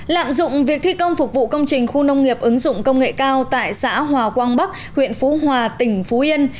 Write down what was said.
lạm dụng việc thi công phục vụ công trình khu nông nghiệp ứng dụng công nghệ cao tại xã hòa quang bắc huyện phú hòa tỉnh phú yên